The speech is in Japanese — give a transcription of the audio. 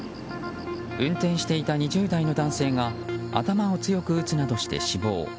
運転していた２０代の男性が頭を強く打つなどして死亡。